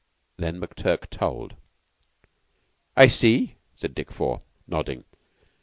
Then McTurk told. "I see," said Dick Four, nodding.